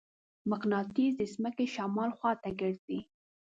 مقناطیس د ځمکې شمال خواته ګرځي.